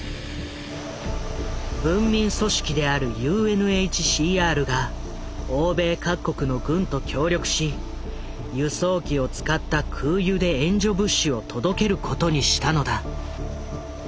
文民組織であるＵＮＨＣＲが欧米各国の軍と協力し輸送機を使った空輸で援助物資を届けることにしたのだ。